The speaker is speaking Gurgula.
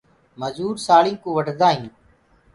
مجوُر سآݪینٚ ڪوُ وڍدآ هينٚ